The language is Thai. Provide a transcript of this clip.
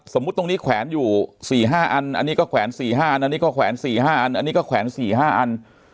สมมุติตรงนี้แขวนอยู่สี่ห้าอันอันนี้ก็แขวนสี่ห้าอันอันนี้ก็แขวนสี่ห้าอัน